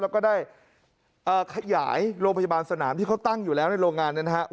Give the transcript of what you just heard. แล้วก็ได้ขยายโรงพยาบาลสนามที่เขาตั้งอยู่แล้วในโรงงานนะครับ